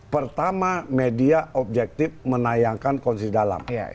pertama media objektif menayangkan konsidalam